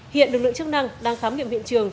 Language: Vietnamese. hiện lực lượng chức năng đang khám nghiệm hiện trường